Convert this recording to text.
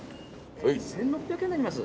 １，６００円になります。